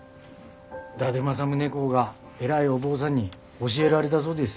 伊達政宗公が偉いお坊さんに教えられだそうです。